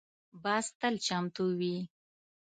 باز تل چمتو وي